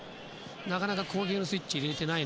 なかなか攻撃のスイッチを入れてない